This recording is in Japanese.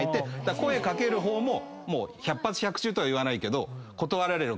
声掛ける方も百発百中とはいわないけど。